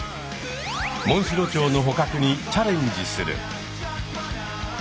モンシロチョウの捕獲にチャレンジする。